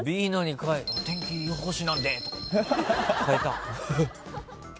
天気予報士なんでとか変えた。